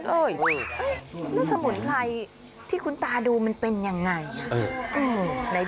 แล้วสมุนไพรที่คุณตาดูมันเป็นยังไง